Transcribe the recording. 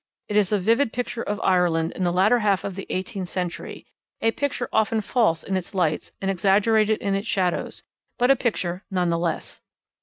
It is a vivid picture of Ireland in the latter half of the eighteenth century, a picture often false in its lights and exaggerated in its shadows, but a picture none the less.